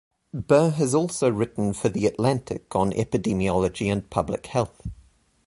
Burr has also written for "The Atlantic" on epidemiology and public health.